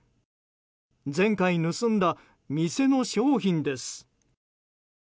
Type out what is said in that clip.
前回盗んだ店の商品です。